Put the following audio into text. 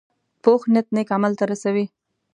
پوخ نیت نیک عمل ته رسوي